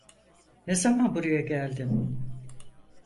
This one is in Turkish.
Ne zaman buraya geldin?